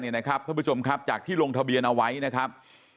ท่านผู้ชมครับจากที่ลงทะเบียนเอาไว้นะครับ